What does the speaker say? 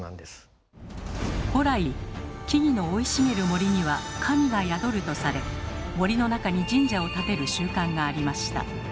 古来木々の生い茂る森には神が宿るとされ森の中に神社を建てる習慣がありました。